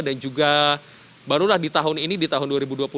dan juga barulah di tahun ini di tahun dua ribu dua puluh dua